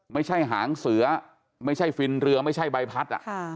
ไม่ใช่หางเสือไม่ใช่ฟินเรือไม่ใช่ใบพัด